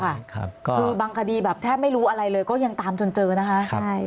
คือบางคดีแบบแทบไม่รู้อะไรเลยก็ยังตามจนเจอนะคะใช่